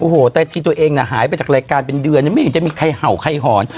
โอ้โหแต่ทีตัวเองน่ะหายไปจากรายการเป็นเดือนยังไม่เห็นจะมีใครเห่าใครหอน